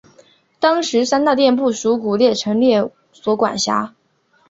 当时三大殿不属古物陈列所管辖。